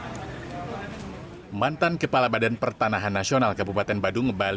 sebelum menjalani pemeriksaan sebagai tersangka